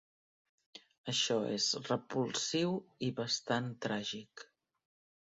Això és repulsiu i bastant tràgic.